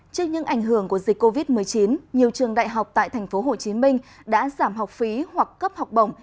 trước những ảnh hưởng của dịch covid một mươi chín nhiều trường đại học tại tp hcm đã giảm học phí hoặc cấp học bổng